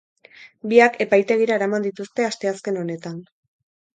Biak epaitegira eraman dituzte asteazken honetan.